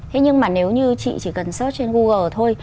thế nhưng mà nếu như chị chỉ cần search trên google thôi